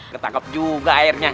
ketangkep juga airnya